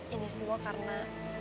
ini semua karena